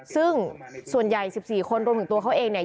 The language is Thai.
ซึ่งส่วนใหญ่๑๔คนรวมถึงตัวเขาเองเนี่ย